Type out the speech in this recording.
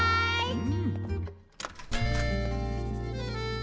うん？